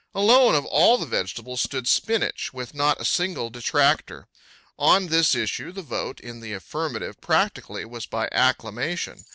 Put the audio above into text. Alone, of all the vegetables, stood spinach, with not a single detractor. On this issue the vote in the affirmative practically was by acclamation.